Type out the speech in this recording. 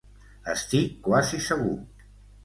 Estic quasi segur.